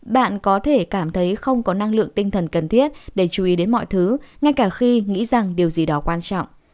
bạn có thể cảm thấy không có năng lượng tinh thần cần thiết để chú ý đến mọi thứ ngay cả khi nghĩ rằng điều gì đó quan trọng